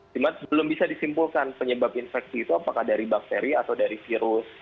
cuma belum bisa disimpulkan penyebab infeksi itu apakah dari bakteri atau dari virus